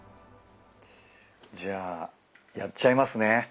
じゃあやっちゃいますね。